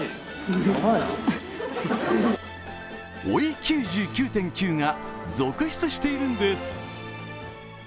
「追い９９．９」が続出しているんです。